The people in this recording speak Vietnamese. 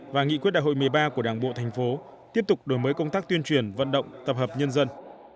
và nghị quyết đại hội một mươi ba của đảng bộ thành phố tiếp tục đổi mới công tác tuyên truyền vận động tập hợp nhân dân